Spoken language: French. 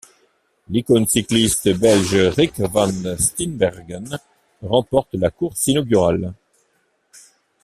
L'icône cycliste belge Rik Van Steenbergen remporte la course inaugurale.